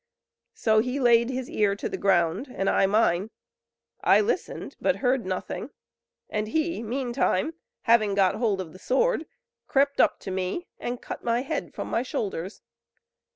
"So he laid his ear to the ground, and I mine. I listened; but heard nothing; and he meantime, having got hold of the sword, crept up to me, and cut my head from my shoulders.